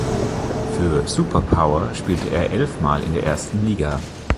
Für Super Power spielte er elfmal in der ersten Liga.